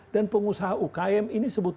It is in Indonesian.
dan pengusaha ukm ini sebutkan